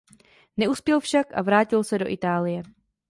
Neuspěl však a vrátil se do Itálie.